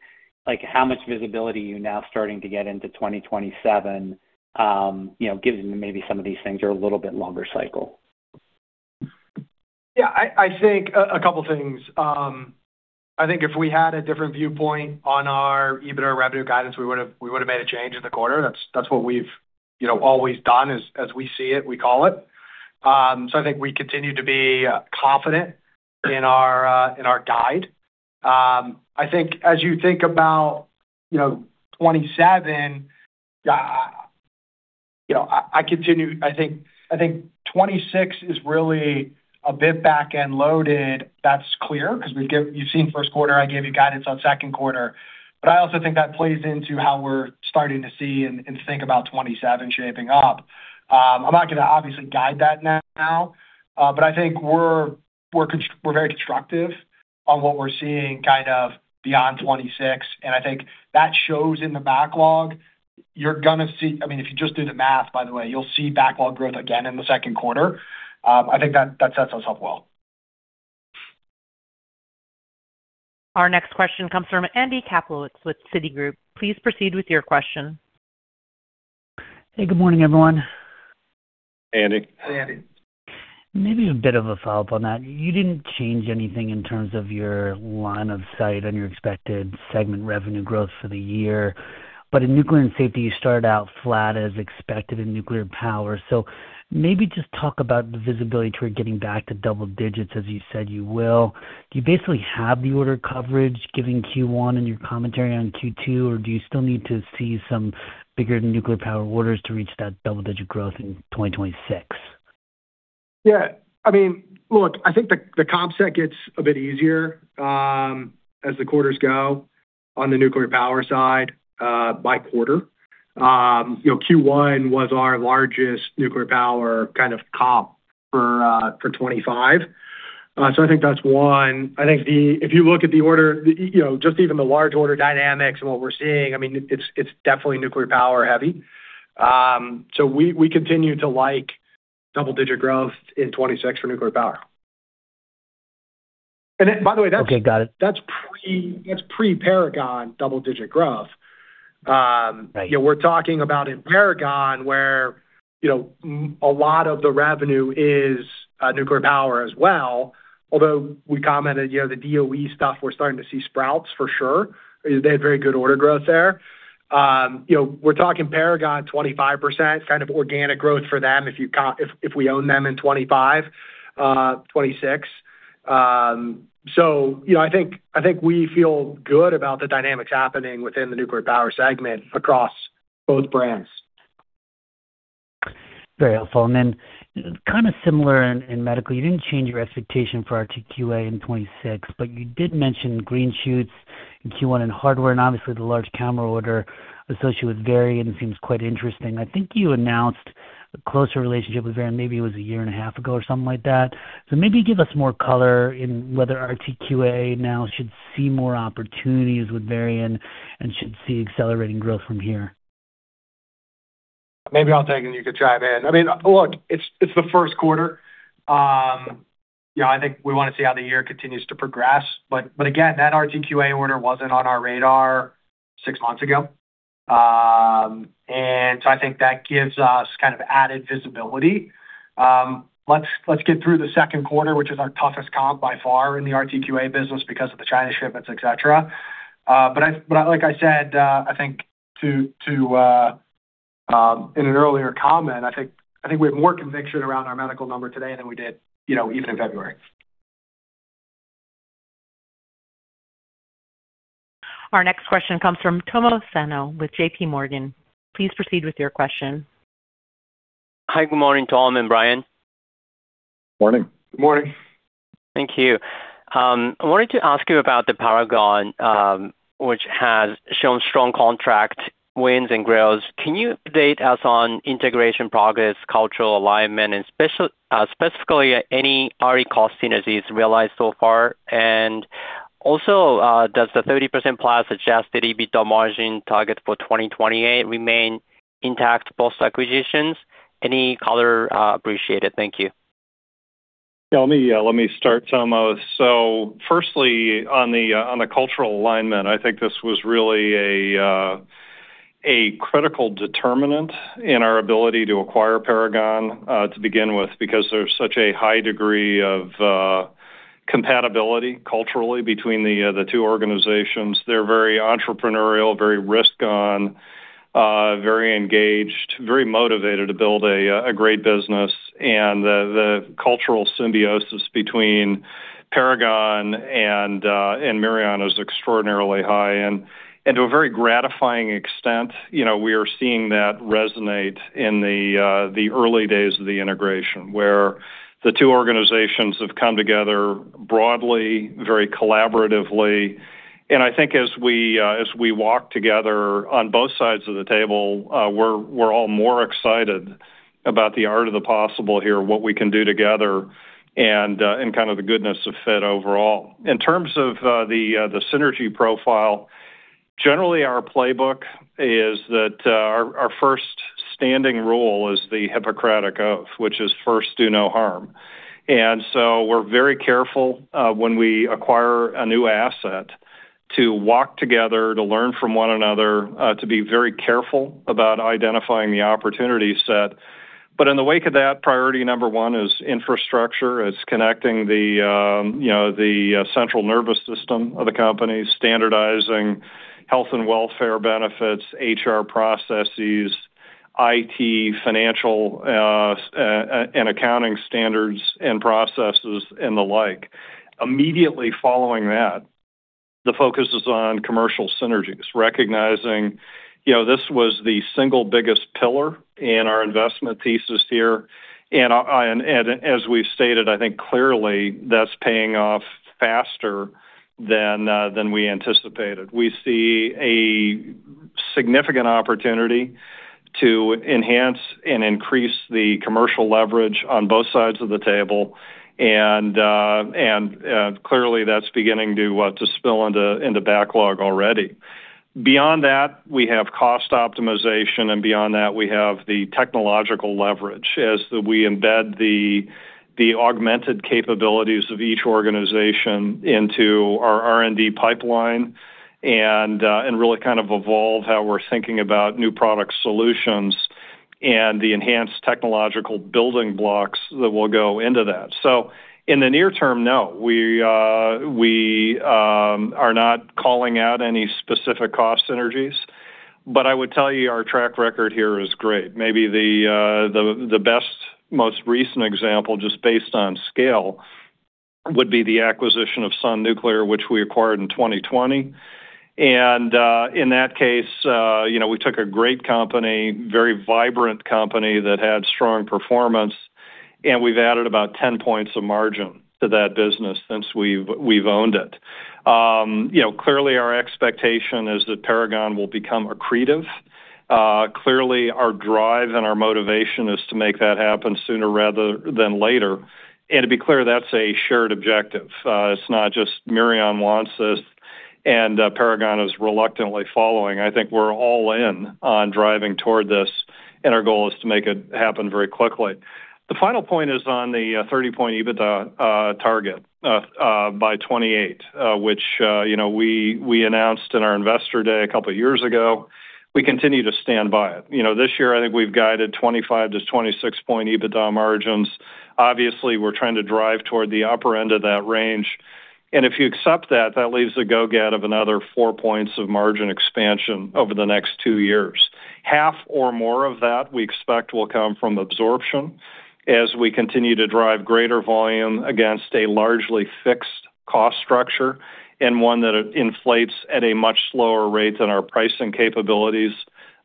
like how much visibility are you now starting to get into 2027, you know, given that maybe some of these things are a little bit longer cycle? Yeah. I think a couple things. I think if we had a different viewpoint on our EBITDA revenue guidance, we would've made a change in the quarter. That's what we've, you know, always done is as we see it, we call it. I think we continue to be confident in our guide. I think as you think about, you know, 2027, you know, I think 2026 is really a bit back-end loaded. That's clear 'cause you've seen first quarter, I gave you guidance on second quarter. I also think that plays into how we're starting to see and think about 2027 shaping up. I'm not gonna obviously guide that now, but I think we're very constructive on what we're seeing kind of beyond 2026, and I think that shows in the backlog. You're gonna see, I mean, if you just do the math, by the way, you'll see backlog growth again in the second quarter. I think that sets us up well. Our next question comes from Andy Kaplowitz with Citigroup. Please proceed with your question. Hey, good morning, everyone. Andy. Maybe a bit of a follow-up on that. You didn't change anything in terms of your line of sight on your expected segment revenue growth for the year. In nuclear and safety, you started out flat as expected in nuclear power. Maybe just talk about the visibility toward getting back to double digits as you said you will. Do you basically have the order coverage giving Q1 and your commentary on Q2, or do you still need to see some bigger nuclear power orders to reach that double-digit growth in 2026? Yeah. I mean, look, I think the comp set gets a bit easier as the quarters go on the nuclear power side by quarter. You know, Q1 was our largest nuclear power kind of comp for 2025. I think that's one. I think if you look at the order, you know, just even the large order dynamics and what we're seeing, I mean, it's definitely nuclear power heavy. We continue to like double-digit growth in 2026 for nuclear power. By the way, that's- Okay. Got it. That's pre-Paragon double-digit growth. Right. You know, we're talking about in Paragon where, you know, a lot of the revenue is nuclear power as well. Although we commented, you know, the DOE stuff, we're starting to see sprouts for sure. They had very good order growth there. You know, we're talking Paragon, 25% kind of organic growth for them if you if we own them in 2025, 2026. So, you know, I think, I think we feel good about the dynamics happening within the nuclear power segment across both brands. Very helpful. Then kind of similar in medical, you didn't change your expectation for RTQA in 2026, but you did mention green shoots in Q1 and hardware, and obviously the large camera order associated with Varian seems quite interesting. I think you announced a closer relationship with Varian, maybe it was 1.5 years Ago or something like that. Maybe give us more color in whether RTQA now should see more opportunities with Varian and should see accelerating growth from here. Maybe I'll take it and you can chime in. I mean, look, it's the first quarter. You know, I think we wanna see how the year continues to progress. Again, that RTQA order wasn't on our radar six months ago. And so I think that gives us kind of added visibility. Let's get through the second quarter, which is our toughest comp by far in the RTQA business because of the China shipments, et cetera. I, like I said, I think to in an earlier comment, I think we have more conviction around our medical number today than we did, you know, even in February. Our next question comes from Tomo Sano with JPMorgan. Please proceed with your question. Hi, good morning, Tom and Brian. Morning. Good morning. Thank you. I wanted to ask you about the Paragon, which has shown strong contract wins and grows. Can you update us on integration progress, cultural alignment, and specifically any R&D cost synergies realized so far? Also, does the 30%+ adjusted EBITDA margin target for 2028 remain intact post-acquisitions? Any color appreciated. Thank you. Yeah, let me, let me start, Tomo. Firstly, on the, on the cultural alignment, I think this was really a critical determinant in our ability to acquire Paragon, to begin with because there's such a high degree of, compatibility culturally between the two organizations. They're very entrepreneurial, very risk-on, very engaged, very motivated to build a great business. The, the cultural symbiosis between Paragon and Mirion is extraordinarily high. To a very gratifying extent, you know, we are seeing that resonate in the early days of the integration, where the two organizations have come together broadly, very collaboratively. I think as we walk together on both sides of the table, we're all more excited about the art of the possible here, what we can do together and kind of the goodness of fit overall. In terms of the synergy profile, generally our playbook is that our first standing rule is the Hippocratic Oath, which is first, do no harm. We're very careful when we acquire a new asset to walk together, to learn from one another, to be very careful about identifying the opportunity set. In the wake of that, priority number one is infrastructure. It's connecting the, you know, the central nervous system of the company, standardizing health and welfare benefits, HR processes, IT, financial and accounting standards and processes, and the like. Immediately following that, the focus is on commercial synergies, recognizing, you know, this was the single biggest pillar in our investment thesis here. As we've stated, I think clearly that's paying off faster than we anticipated. We see a significant opportunity to enhance and increase the commercial leverage on both sides of the table and clearly that's beginning to spill in the backlog already. Beyond that, we have cost optimization, and beyond that, we have the technological leverage as we embed the augmented capabilities of each organization into our R&D pipeline and really kind of evolve how we're thinking about new product solutions and the enhanced technological building blocks that will go into that. In the near term, no, we are not calling out any specific cost synergies. I would tell you our track record here is great. Maybe the best, most recent example, just based on scale, would be the acquisition of Sun Nuclear, which we acquired in 2020. In that case, you know, we took a great company, very vibrant company that had strong performance, and we've added about 10 points of margin to that business since we've owned it. You know, clearly our expectation is that Paragon will become accretive. Clearly our drive and our motivation is to make that happen sooner rather than later. To be clear, that's a shared objective. It's not just Mirion wants this and Paragon is reluctantly following. I think we're all in on driving toward this, and our goal is to make it happen very quickly. The final point is on the 30% EBITDA target by 2028, which, you know, we announced in our investor day a couple of years ago. We continue to stand by it. You know, this year I think we've guided 25%-26% EBITDA margins. Obviously, we're trying to drive toward the upper end of that range. If you accept that leaves a go-get of another four points of margin expansion over the next two years. Half or more of that we expect will come from absorption as we continue to drive greater volume against a largely fixed cost structure and one that inflates at a much slower rate than our pricing capabilities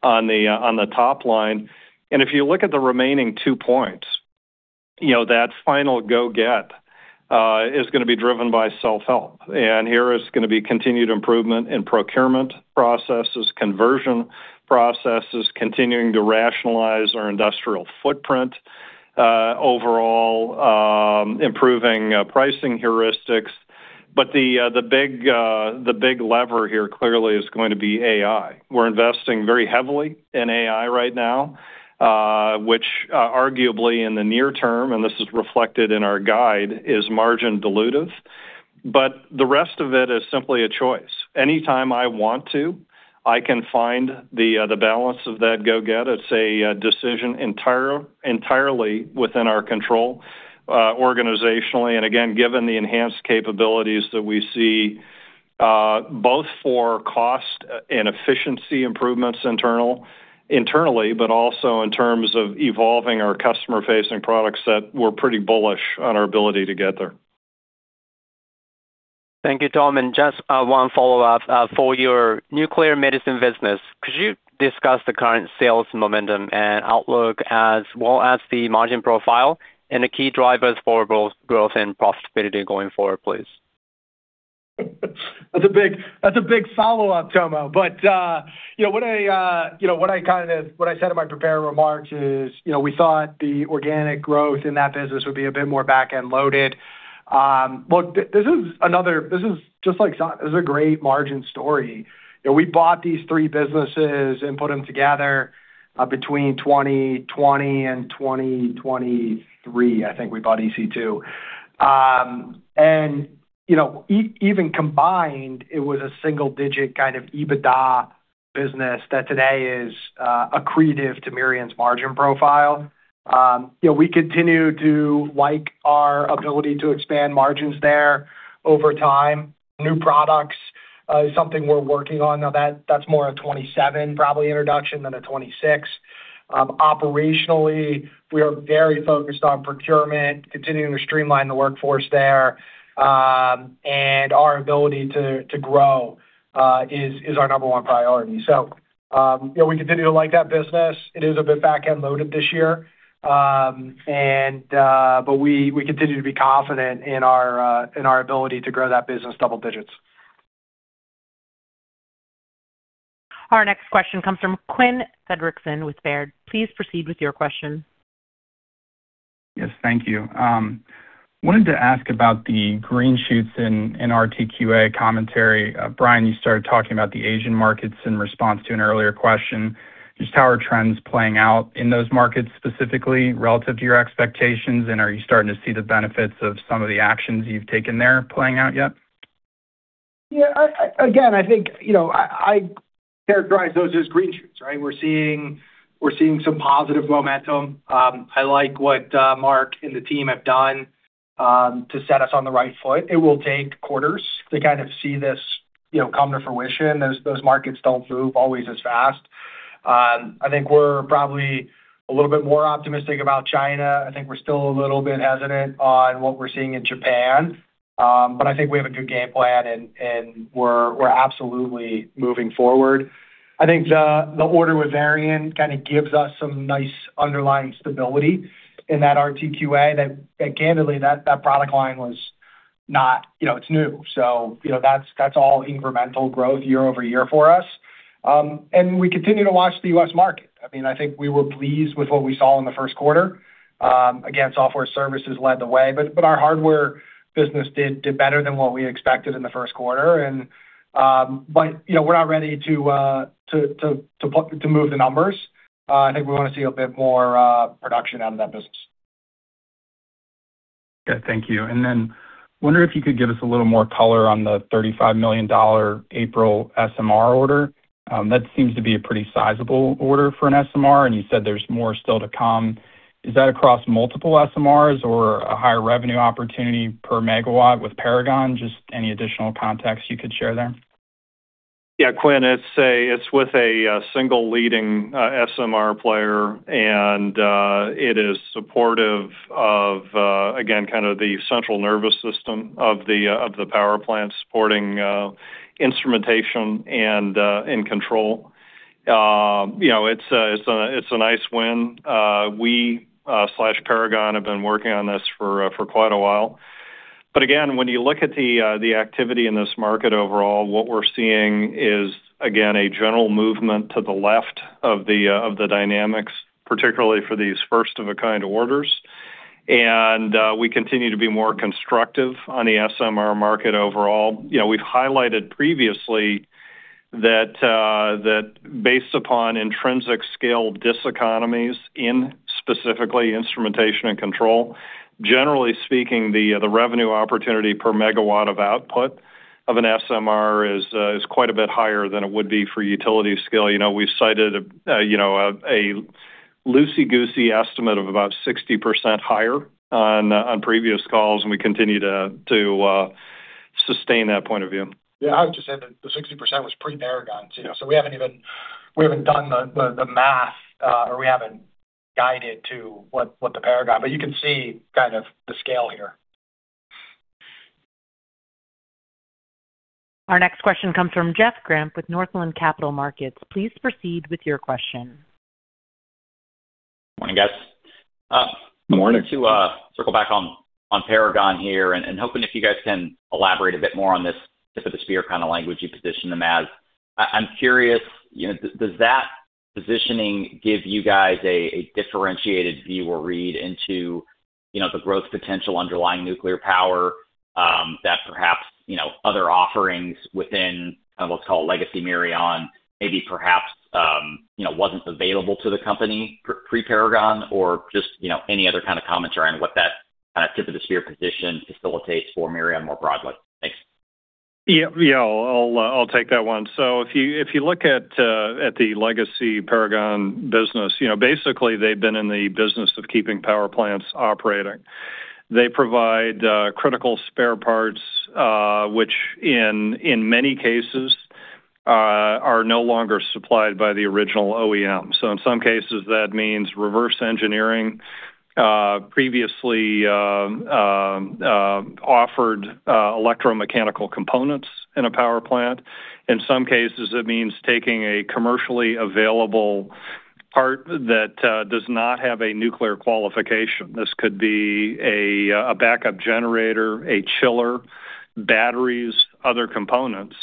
on the top line. If you look at the remaining two points, you know, that final go-get is gonna be driven by self-help. Here it's gonna be continued improvement in procurement processes, conversion processes, continuing to rationalize our industrial footprint overall, improving pricing heuristics. The big, the big lever here clearly is going to be AI. We're investing very heavily in AI right now, which arguably in the near term, and this is reflected in our guide, is margin dilutive. The rest of it is simply a choice. Anytime I want to, I can find the balance of that go-get. It's a decision entirely within our control organizationally. Again, given the enhanced capabilities that we see, both for cost and efficiency improvements internally, but also in terms of evolving our customer-facing products that we're pretty bullish on our ability to get there. Thank you, Tom. Just one follow-up for your nuclear medicine business. Could you discuss the current sales momentum and outlook as well as the margin profile and the key drivers for growth and profitability going forward, please? That's a big, that's a big follow-up, Tomo. You know what I, you know, what I said in my prepared remarks is, you know, we thought the organic growth in that business would be a bit more back-end loaded. Look, this is another, this is just like Sun. This is a great margin story. You know, we bought these three businesses and put them together between 2020 and 2023, I think we bought ec². You know, even combined, it was a single-digit kind of EBITDA business that today is accretive to Mirion's margin profile. You know, we continue to like our ability to expand margins there over time. New products is something we're working on. Now that's more a 2027 probably introduction than a 2026. Operationally, we are very focused on procurement, continuing to streamline the workforce there. Our ability to grow is our number one priority. You know, we continue to like that business. It is a bit back-end loaded this year. But we continue to be confident in our ability to grow that business double digits. Our next question comes from Quinn Fredrickson with Baird. Please proceed with your question. Yes. Thank you. I wanted to ask about the green shoots in RTQA commentary. Brian, you started talking about the Asian markets in response to an earlier question. How are trends playing out in those markets, specifically relative to your expectations, and are you starting to see the benefits of some of the actions you've taken there playing out yet? Again, I think, you know, I characterize those as green shoots, right? We're seeing some positive momentum. I like what Mark and the team have done to set us on the right foot. It will take quarters to kind of see this, you know, come to fruition. Those markets don't move always as fast. I think we're probably a little bit more optimistic about China. I think we're still a little bit hesitant on what we're seeing in Japan. I think we have a good game plan, and we're absolutely moving forward. I think the order with Varian kinda gives us some nice underlying stability in that RTQA that candidly, that product line was not, you know, it's new. You know, that's all incremental growth year over year for us. We continue to watch the U.S. market. I mean, I think we were pleased with what we saw in the first quarter. Again, software services led the way, but our hardware business did better than what we expected in the first quarter. You know, we're not ready to move the numbers. I think we wanna see a bit more production out of that business. Thank you. Wonder if you could give us a little more color on the $35 million April SMR order. That seems to be a pretty sizable order for an SMR, and you said there's more still to come. Is that across multiple SMRs or a higher revenue opportunity per megawatt with Paragon? Just any additional context you could share there. Yeah, Quinn, it's with a single leading SMR player. It is supportive of again, kind of the central nervous system of the power plant supporting instrumentation and control. You know, it's a nice win. We slash Paragon have been working on this for quite a while. Again, when you look at the activity in this market overall, what we're seeing is again, a general movement to the left of the dynamics, particularly for these first-of-a-kind orders. We continue to be more constructive on the SMR market overall. You know, we've highlighted previously that based upon intrinsic scale diseconomies in specifically Instrumentation and Control, generally speaking, the revenue opportunity per megawatt of output of an SMR is quite a bit higher than it would be for utility scale. You know, we've cited, you know, a loosey-goosey estimate of about 60% higher on previous calls, and we continue to sustain that point of view. Yeah. I would just add that the 60% was pre-Paragon, you know. We haven't done the math or we haven't guided to what the Paragon. You can see kind of the scale here. Our next question comes from Jeff Grampp with Northland Capital Markets. Please proceed with your question. Morning, guys. Morning. I wanted to circle back on Paragon here and hoping if you guys can elaborate a bit more on this tip-of-the-spear kind of language you position them as. I'm curious, you know, does that positioning give you guys a differentiated view or read into, you know, the growth potential underlying nuclear power, that perhaps, you know, other offerings within kind of what's called legacy Mirion maybe perhaps, you know, wasn't available to the company pre-Paragon? Just, you know, any other kind of commentary on what that kind of tip-of-the-spear position facilitates for Mirion more broadly? Thanks. Yeah. Yeah. I'll take that one. If you, if you look at the legacy Paragon business, you know, basically they've been in the business of keeping power plants operating. They provide critical spare parts, which in many cases, are no longer supplied by the original OEM. In some cases, that means reverse engineering, previously offered electromechanical components in a power plant. In some cases, it means taking a commercially available part that does not have a nuclear qualification. This could be a backup generator, a chiller, batteries, other components.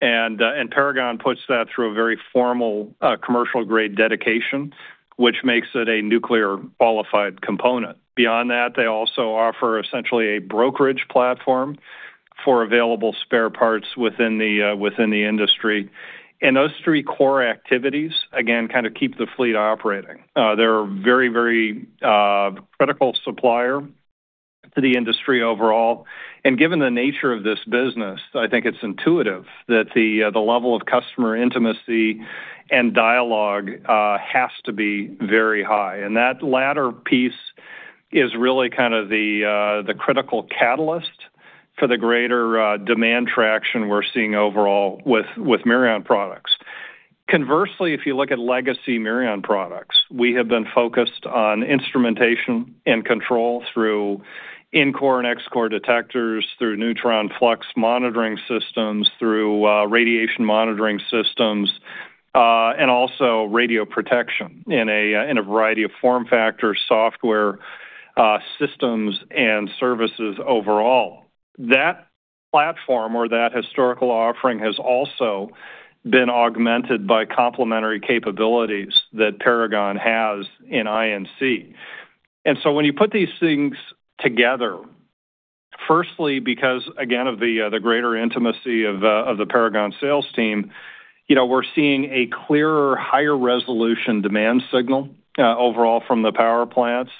Paragon puts that through a very formal commercial-grade dedication, which makes it a nuclear qualified component. Beyond that, they also offer essentially a brokerage platform for available spare parts within the industry. Those three core activities, again, kind of keep the fleet operating. They're very critical supplier to the industry overall. Given the nature of this business, I think it's intuitive that the level of customer intimacy and dialogue has to be very high. That latter piece is really kind of the critical catalyst for the greater demand traction we're seeing overall with Mirion products. Conversely, if you look at legacy Mirion products, we have been focused on instrumentation and control through in-core and ex-core detectors, through neutron flux monitoring systems, through radiation monitoring systems, and also radio protection in a variety of form factors, software, systems and services overall. That platform or that historical offering has also been augmented by complementary capabilities that Paragon has in I&C. When you put these things together, firstly, because again, of the greater intimacy of the Paragon sales team, you know, we're seeing a clearer, higher resolution demand signal overall from the power plants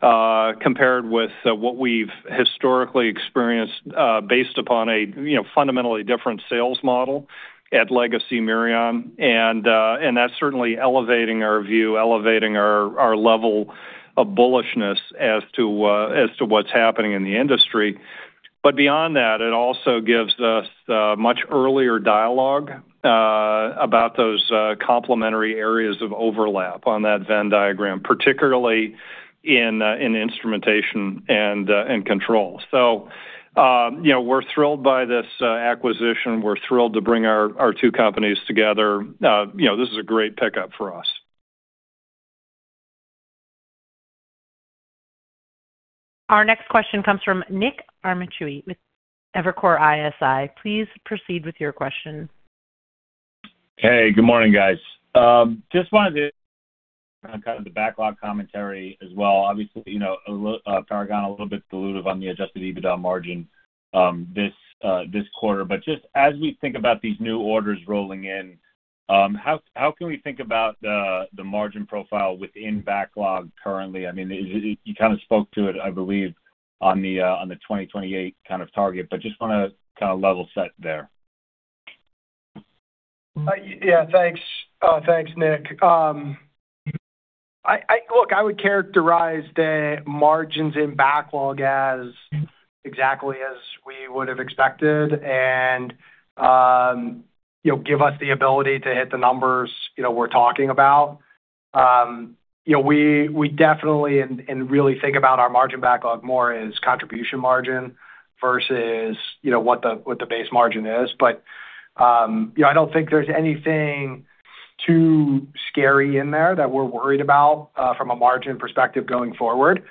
compared with what we've historically experienced based upon a, you know, fundamentally different sales model at legacy Mirion. That's certainly elevating our view, elevating our level of bullishness as to what's happening in the industry. Beyond that, it also gives us much earlier dialogue about those complementary areas of overlap on that Venn diagram, particularly in Instrumentation and Control. You know, we're thrilled by this acquisition. We're thrilled to bring our two companies together. You know, this is a great pickup for us. Our next question comes from Nick Amicucci with Evercore ISI. Please proceed with your question. Hey, good morning, guys. Just wanted to kind of the backlog commentary as well. Obviously, you know, Paragon a little bit dilutive on the adjusted EBITDA margin this quarter. Just as we think about these new orders rolling in, how can we think about the margin profile within backlog currently? I mean, you kind of spoke to it, I believe, on the 2028 kind of target, but just wanna kind of level set there. Yeah, thanks, Nick. Look, I would characterize the margins in backlog as exactly as we would have expected and, you know, give us the ability to hit the numbers, you know, we're talking about. You know, we definitely and really think about our margin backlog more as contribution margin versus, you know, what the base margin is. You know, I don't think there's anything too scary in there that we're worried about from a margin perspective going forward.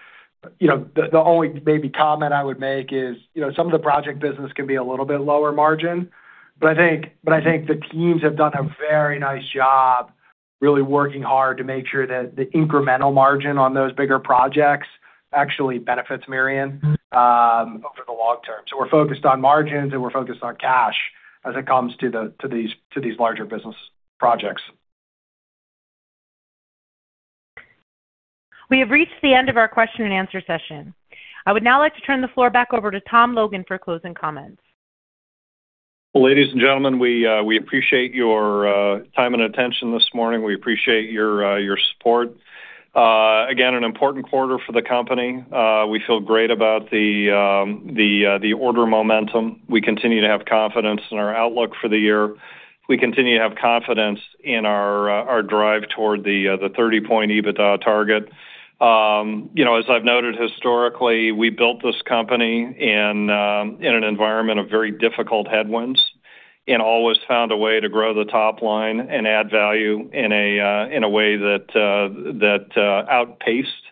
You know, the only maybe comment I would make is, you know, some of the project business can be a little bit lower margin. I think the teams have done a very nice job really working hard to make sure that the incremental margin on those bigger projects actually benefits Mirion over the long term. We're focused on margins, and we're focused on cash as it comes to these larger business projects. We have reached the end of our question-and-answer session. I would now like to turn the floor back over to Tom Logan for closing comments. Ladies and gentlemen, we appreciate your time and attention this morning. We appreciate your support. Again, an important quarter for the company. We feel great about the order momentum. We continue to have confidence in our outlook for the year. We continue to have confidence in our drive toward the 30-point EBITDA target. You know, as I've noted historically, we built this company in an environment of very difficult headwinds and always found a way to grow the top line and add value in a way that outpaced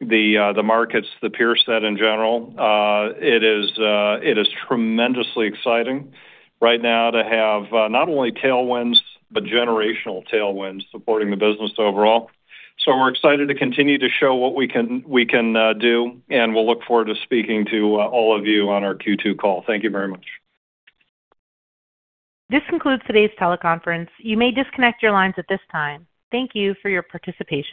the markets, the peer set in general. It is tremendously exciting right now to have not only tailwinds but generational tailwinds supporting the business overall. We're excited to continue to show what we can do, and we'll look forward to speaking to all of you on our Q2 call. Thank you very much. This concludes today's teleconference. You may disconnect your lines at this time. Thank you for your participation.